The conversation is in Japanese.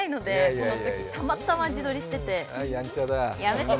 このときたまたま自撮りしてて。